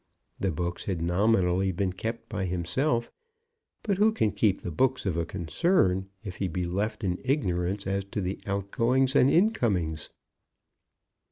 The books had nominally been kept by himself; but who can keep the books of a concern, if he be left in ignorance as to the outgoings and incomings?